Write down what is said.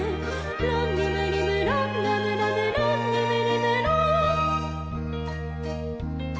「ロンリムリムロンラムラムロンリムリムロン」